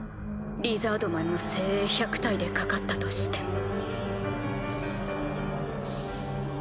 リザードマンの精鋭１００体でかかったとしても。